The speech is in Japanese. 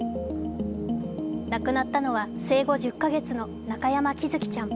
亡くなったのは、生後１０か月の中山喜寿生ちゃん。